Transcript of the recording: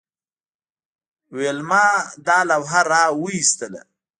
ویلما دا لوحه راویستله